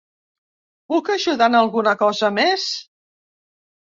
Puc ajudar en alguna cosa més?